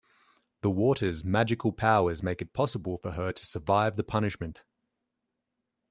The water's magical powers make it possible for her to survive the punishment.